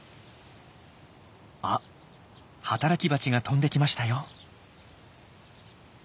あ働きバチが飛んできましたよ。